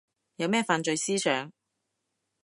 有咩犯罪思想